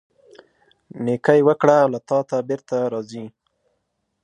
نیکۍ وکړه، له تا ته بیرته راځي.